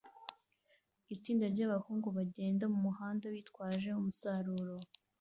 Itsinda ryabahungu bagenda mumuhanda bitwaje umusaruro